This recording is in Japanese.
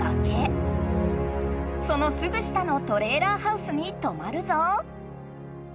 そのすぐ下のトレーラーハウスにとまるぞ。